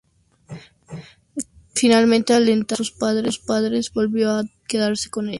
Finalmente, alentado por sus padres volvió a quedarse con ellos.